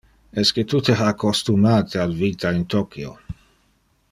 Esque tu te ha accostumate al vita in Tokio?